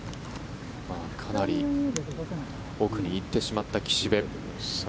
かなり奥に行ってしまった岸部。